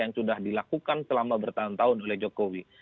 yang sudah dilakukan selama bertahun tahun oleh jokowi